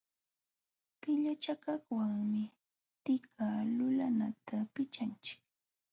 Pillachakaqwanmi tika lulanata pichanchik.